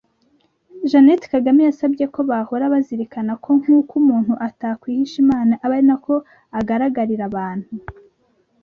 Jeannette Kagame yasabye ko bahora bazirikana ko nk‘uko umuntu atakwihisha Imana abe ari nako agaragarira abantu